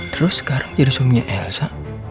terus sekarang jadi suaminya elsa